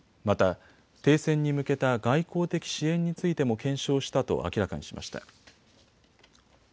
また停戦に向けた外交的支援についても検証したと明らかにしました。